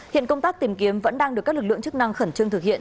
hiện công tác tìm kiếm vẫn đang được các lực lượng chức năng khẩn trương thực hiện